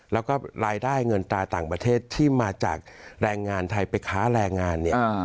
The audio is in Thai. แล้วก็รายได้เงินตราต่างประเทศที่มาจากแรงงานไทยไปค้าแรงงานเนี่ย